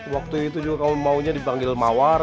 waktu itu juga kamu maunya dipanggil mawar